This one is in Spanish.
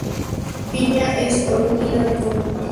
Viña es oriunda de Carúpano, Venezuela.